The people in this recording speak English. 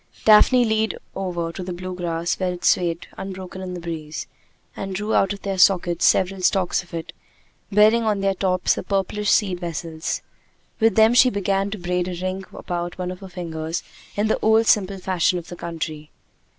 Daphne leaned over to the blue grass where it swayed unbroken in the breeze, and drew out of their sockets several stalks of it, bearing on their tops the purplish seed vessels. With them she began to braid a ring about one of her fingers in the old simple fashion of the country.